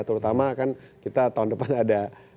terutama kan kita tahun depan ada